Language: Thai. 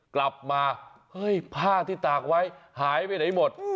กลับมาเฮ้ยผ้าที่ตากไว้หายไปไหนหมด